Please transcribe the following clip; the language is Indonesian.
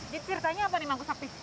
ciptaannya apa nih mangkusakti